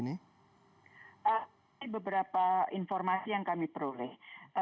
ini beberapa informasi yang kami peroleh